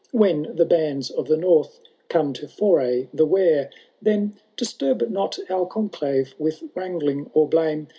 When the bands of the North come to foray the Wear ; Then disturb not our condave with wrangl^ or blame.